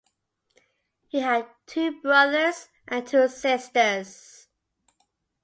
He had two brothers and two sisters.